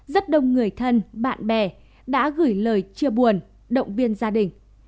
rất đông người thân bạn bè đã gửi lời chia buồn động viên gia đình